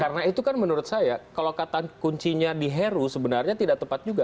karena itu kan menurut saya kalau kata kuncinya di heru sebenarnya tidak tepat juga